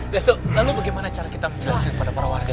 dato' lalu bagaimana cara kita menjelaskan pada para warga